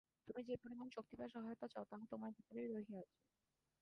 তুমি যে পরিমাণ শক্তি বা সহায়তা চাও, তাহা তোমার ভিতরেই রহিয়াছে।